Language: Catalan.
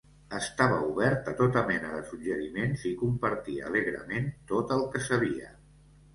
Estava obert a tota mena de suggeriments i compartia alegrement tot el que sabia.